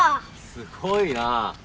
すごいなぁ。